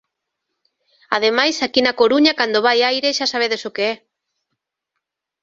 Ademais, aquí na Coruña cando vai aire... xa sabedes o que é.